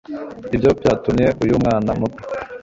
ibyo byatumye uyu mwana muto